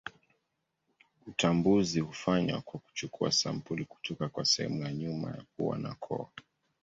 Utambuzi hufanywa kwa kuchukua sampuli kutoka kwa sehemu ya nyuma ya pua na koo.